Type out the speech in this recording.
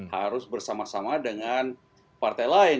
harus bersama sama dengan partai lain